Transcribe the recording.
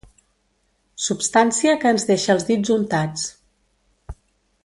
Substància que ens deixa els dits untats.